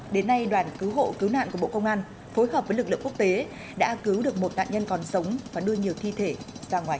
đến nay đoàn cứu hộ cứu nạn của bộ công an phối hợp với lực lượng quốc tế đã cứu được một nạn nhân còn sống và đưa nhiều thi thể ra ngoài